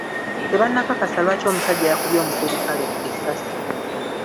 Tebannakakasa lwaki omusajja yakubye omuserikale essaasi.